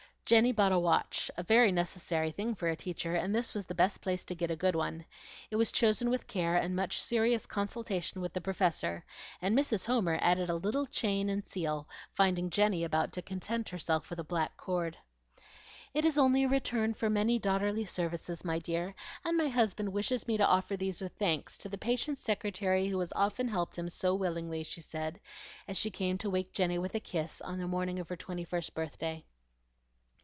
Jenny bought a watch, a very necessary thing for a teacher, and this was the best place to get a good one. It was chosen with care and much serious consultation with the Professor; and Mrs. Homer added a little chain and seal, finding Jenny about to content herself with a black cord. "It is only a return for many daughterly services, my dear; and my husband wishes me to offer these with thanks to the patient secretary who has often helped him so willingly," she said, as she came to wake Jenny with a kiss on the morning of her twenty first birthday.